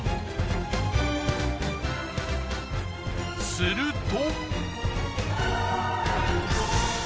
すると。